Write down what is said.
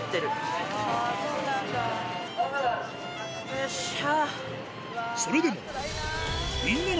よっしゃ。